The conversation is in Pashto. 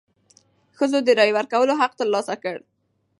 ښځو د رایې ورکولو حق تر لاسه کړ.